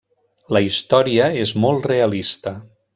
La història és molt realista.